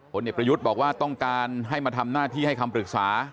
เด็กประยุทธ์บอกว่าต้องการให้มาทำหน้าที่ให้คำปรึกษา